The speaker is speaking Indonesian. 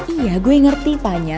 iya gue ngerti fanya